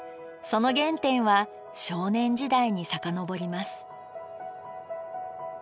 その原点は少年時代に遡ります。